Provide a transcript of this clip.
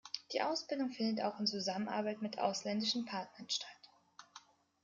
Die Ausbildung findet auch in Zusammenarbeit mit ausländischen Partnern statt.